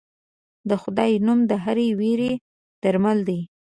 د خدای نوم د هرې وېرې درمل دی.